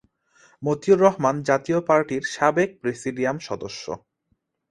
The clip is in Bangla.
মতিউর রহমান জাতীয় পার্টির সাবেক প্রেসিডিয়াম সদস্য।